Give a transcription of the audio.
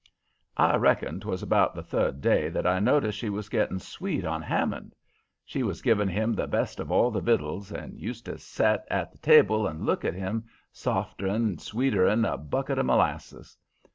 "I reckon 'twas about the third day that I noticed she was getting sweet on Hammond. She was giving him the best of all the vittles, and used to set at the table and look at him, softer'n and sweeter'n a bucket of molasses.